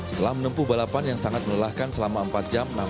setelah menempuh balapan yang sangat melelahkan selama empat jam